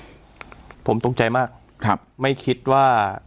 ขณะนี้คือผมตรงใจมากไม่คิดว่า